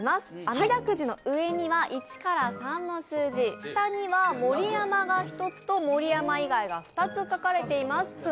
あみだくじの上には１から３の数字、下には盛山が１つと盛山以外が２つ書かれています。